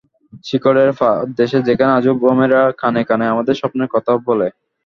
শিকড়ের পাদদেশে, যেখানে আজও ভ্রমরেরা কানে কানে আমাদের স্বপ্নের কথা বলে।